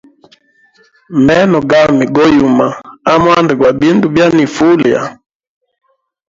Meno gami go yuma amwanda gwa bindu bya nifa ulya.